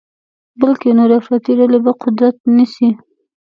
بلکې نورې افراطي ډلې به قدرت نیسي.